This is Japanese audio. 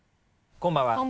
こんばんは。